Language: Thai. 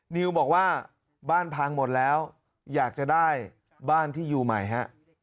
นิวบอกว่าบ้านพังหมดแล้วอยากจะได้บ้านที่อยู่ใหม่ฮะ